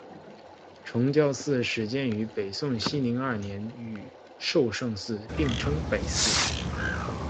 崇教寺始建于北宋熙宁二年与寿圣寺并称北寺。